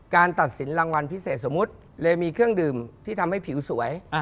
ตัดสินรางวัลพิเศษสมมุติเลยมีเครื่องดื่มที่ทำให้ผิวสวย